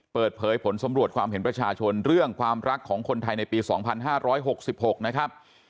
เปิดเผยผลสำรวจความเห็นประชาชนเรื่องความรักของคนไทยในปี๒๕๖๖นะครับ